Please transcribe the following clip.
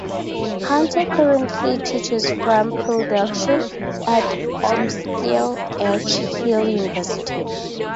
Hunter currently teaches film production at Ormskirk's Edge Hill University.